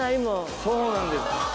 そうなんです。